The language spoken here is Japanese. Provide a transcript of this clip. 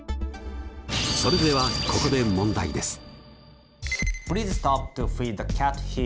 それではここで問題です。